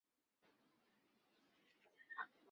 穆梅卡附近的一个村。